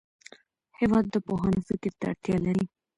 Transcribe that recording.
هېواد د پوهانو فکر ته اړتیا لري.